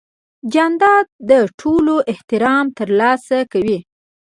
جانداد د ټولو احترام ترلاسه کوي.